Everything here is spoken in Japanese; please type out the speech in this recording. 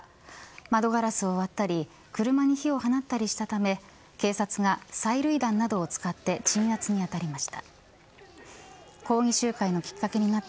窓ガラスを割ったり車に火を放ったりしたため警察が催涙弾などを使って鎮圧に当たりました。